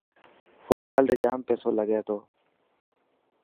فٽبال تي جام پيسو لگي تو.